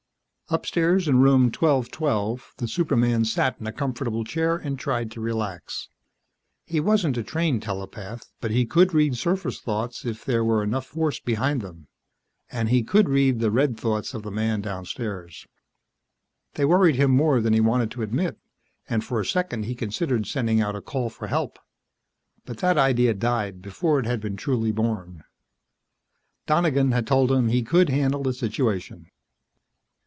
Upstairs, in Room 1212, the superman sat in a comfortable chair and tried to relax. He wasn't a trained telepath but he could read surface thoughts if there were enough force behind them, and he could read the red thoughts of the man downstairs. They worried him more than he wanted to admit, and for a second he considered sending out a call for help. But that idea died before it had been truly born. Donegan had told him he could handle the situation.